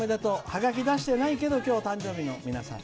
ハガキ出してないけど今日、誕生日の皆さん